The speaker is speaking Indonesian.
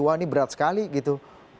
wah ini berat sekali gitu